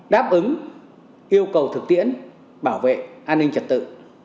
đáp ứng yêu cầu thực tiễn bảo vệ an ninh trật tự